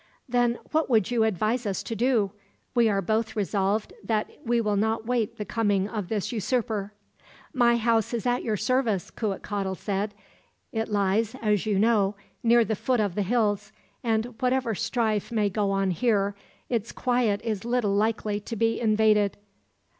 "Then what would you advise us to do? We are both resolved that we will not await the coming of this usurper." "My house is at your service," Cuitcatl said. "It lies, as you know, near the foot of the hills; and whatever strife may go on here, its quiet is little likely to be invaded.